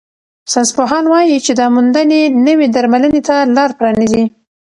ساینسپوهان وايي چې دا موندنې نوې درملنې ته لار پرانیزي.